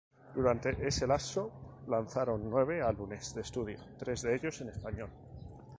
Durante ese lapso lanzaron nueve álbumes de estudio, tres de ellos en español.